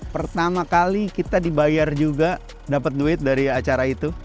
pertama kali kita dibayar juga dapat duit dari acara itu